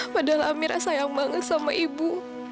padahal amira sayang banget sama ibu